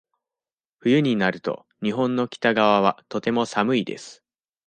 冬になると、日本の北側はとても寒いです。